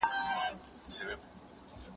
زه لا همدلته یم